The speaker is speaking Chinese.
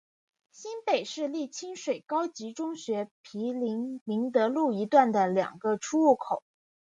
新北市立清水高级中学毗邻明德路一段的两个出入口。